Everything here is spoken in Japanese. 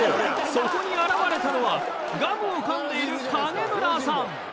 そこに現れたのはガムをかんでいる金村さん。